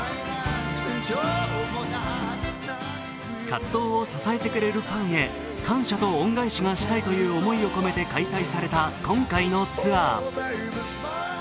活動を支えてくれるファンへ感謝と恩返しがしたいという思いを込めて開催された今回のツアー。